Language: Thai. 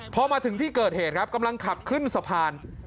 พอมาถึงที่เกิดเหตุครับกำลังขับขึ้นสะพาน